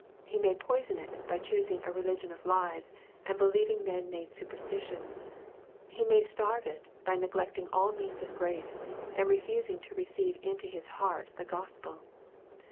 He may poison it by choosing a religion of lies, and believing man made superstitions. He may starve it, by neglecting all means of grace, and refusing to receive into his heart the Gospel.